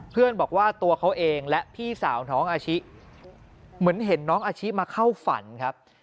เพื่อนบอกว่าตัวเขาเองและพี่สาวน้องอาชิเหมือนเห็นน้องอาชิมาเข้าฝันครับ